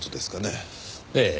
ええ。